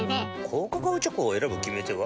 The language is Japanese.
高カカオチョコを選ぶ決め手は？